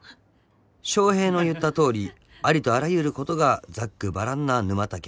［翔平の言ったとおりありとあらゆることがざっくばらんな沼田家］